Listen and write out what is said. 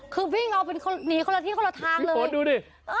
คือวิ่งเอาเป็นคนหนีคนละที่คนละทางเลยคุณดูดิ